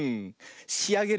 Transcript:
しあげるよ。